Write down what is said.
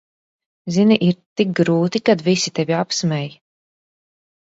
Zini, ir tik grūti, kad visi tevi apsmej.